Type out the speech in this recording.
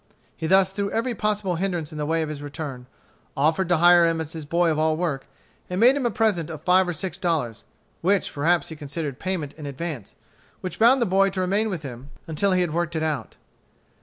He thus threw every possible hindrance in the way of his return, offered to hire him as his boy of all work, and made him a present of five or six dollars, which perhaps he considered payment in advance, which bound the boy to remain with him until he had worked it out.